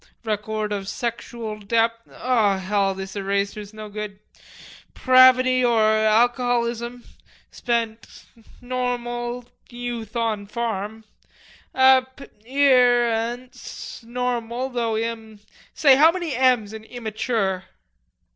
record of sexual dep.... O hell, this eraser's no good!... pravity or alcoholism; spent... normal... youth on farm. App ear ance normal though im... say, how many 'm's' in immature?"